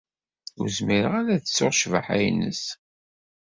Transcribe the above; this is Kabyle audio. Ur zmireɣ ara ad ttuɣ ccbaḥa-nnes.